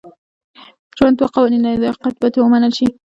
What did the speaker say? ژوند دوه قوانین لري دا حقیقت باید ومنل شي.